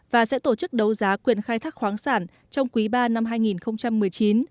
và sẽ tổ chức đấu giá quyền khai thác khoáng sản trong quý ba năm hai nghìn một mươi chín